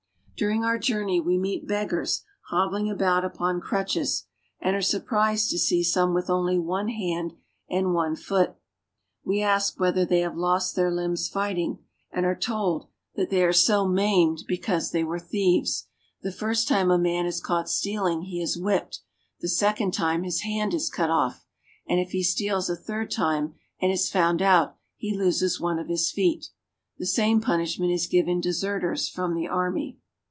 During our journey we meet beggars hobbling about upon crutches, and are surprised to see some with only hand and one foot. We ask whether they have their limbs fighting, and are told that they are so 1 28 AFRICA maimed because they were thieves. The first time a man is caught stealing he is whipped, the second time his hand is cut off, and if he steals a third time and is found out he loses one of his feet. The same punish ment is given deserters from the army.